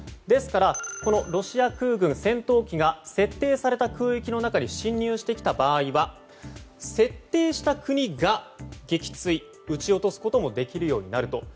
ですからロシア空軍、戦闘機が設定された空域の中に侵入してきた場合は設定した国が、撃墜撃ち落とすこともできるようになる。